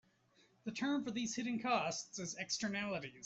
The term for these hidden costs is "Externalities".